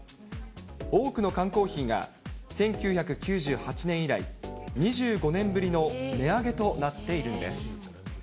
多くの缶コーヒーが１９９８年以来、２５年ぶりの値上げとなっているんです。